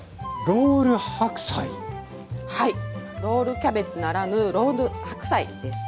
ロールキャベツならぬロール白菜です。